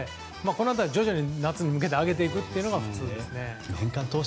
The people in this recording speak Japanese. この辺り、徐々に夏に向けて上げていくというのが普通ですよね。